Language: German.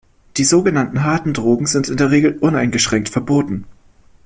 Die so genannten harten Drogen sind in der Regel uneingeschränkt verboten.